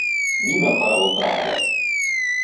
Нимә ҡарап ултыраһығыҙ?